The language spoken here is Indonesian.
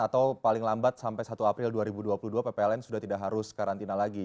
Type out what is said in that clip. atau paling lambat sampai satu april dua ribu dua puluh dua ppln sudah tidak harus karantina lagi